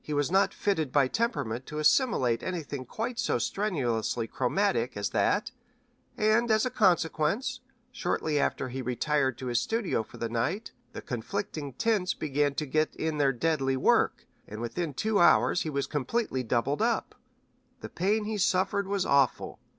He was not fitted by temperament to assimilate anything quite so strenuously chromatic as that, and, as a consequence, shortly after he had retired to his studio for the night, the conflicting tints began to get in their deadly work, and within two hours he was completely doubled up. The pain he suffered was awful.